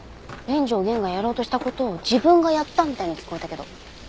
連城源がやろうとした事を自分がやったみたいに聞こえたけど。